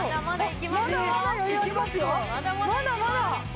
まだまだ。